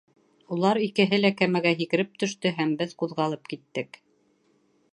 Улар икеһе лә кәмәгә һикереп төштө, һәм беҙ ҡуҙғалып киттек.